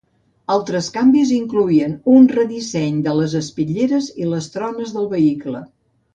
Altres canvis incloïen un redisseny de les espitlleres i les troneres del vehicle.